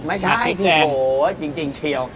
ไม่ใช่โอ้โหจริงเชียว